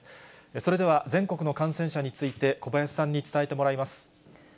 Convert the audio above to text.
それでは、全国の感染者について小林さんに伝えてもらいます。